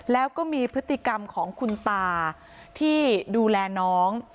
แล้วก็มีพฤติกรรมของคุณตาที่ดูแลน้อง